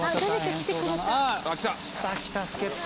来た来た助っ人。